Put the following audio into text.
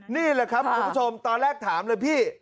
นี่แหละครับคุณผู้ชมตอนแรกถามเลยพี่